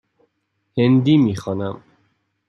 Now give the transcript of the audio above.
هندی می خوانم.